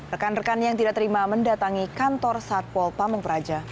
rekan rekan yang tidak terima mendatangi kantor satpol pamung praja